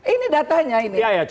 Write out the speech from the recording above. ini datanya ini